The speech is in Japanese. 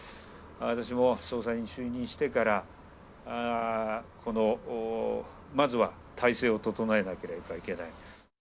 私も総裁に就任してからまずは体制を整えなければいけない。